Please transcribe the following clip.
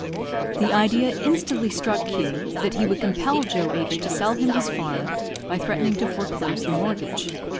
The idea instantly struck Q that he would compel Joe H to sell him his farm, by threatening to foreclose the mortgage.